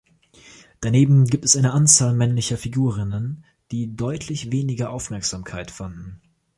Daneben gibt es eine Anzahl männlicher Figurinen, die deutlich weniger Aufmerksamkeit fanden.